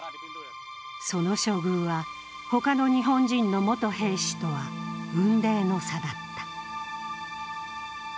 その処遇は他の日本人の元兵士とは雲泥の差だった。